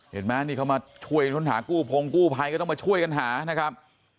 เห็นไหมนี่เขามาช่วยค้นหากู้พงกู้ภัยก็ต้องมาช่วยกันหานะครับ